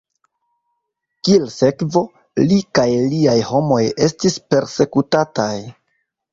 Kiel sekvo, li kaj liaj homoj estis persekutataj.